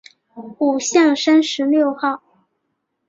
五巷三十六号